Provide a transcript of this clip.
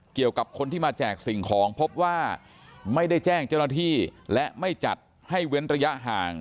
เกี่ยวกับคนที่มาแจกสิ่งของพบว่าไม่ได้แจ้งเจ้าหน้าที่และไม่จัดให้เว้นระยะห่าง